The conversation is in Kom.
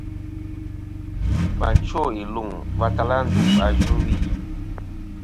Và chwo iluŋ va tala ndu a yvɨwi.